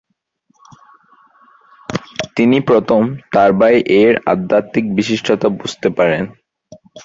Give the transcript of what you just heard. তিনি প্রথম তার ভাই এর "আধ্যাত্মিক বিশিষ্টতা" বুঝতে পারেন।